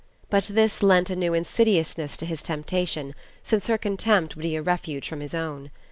But this lent a new insidiousness to his temptation, since her contempt would be a refuge from his own.